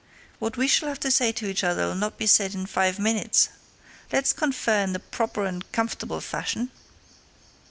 What we shall have to say to each other'll not be said in five minutes. Let's confer in the proper and comfortable fashion."